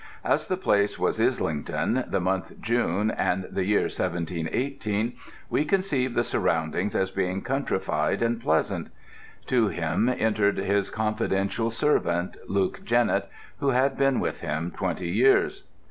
As the place was Islington, the month June, and the year 1718, we conceive the surroundings as being countrified and pleasant. To him entered his confidential servant, Luke Jennett, who had been with him twenty years.